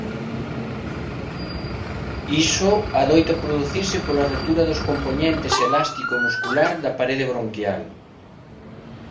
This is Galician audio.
Iso adoita producirse pola rotura dos compoñentes elástico e muscular da parede bronquial.